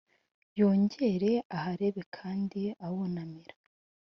yongere aharebe kandi amwunamira.